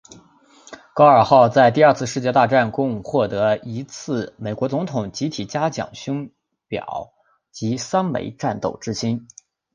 高尔号在第二次世界大战共获得一次美国总统集体嘉奖勋表及三枚战斗之星。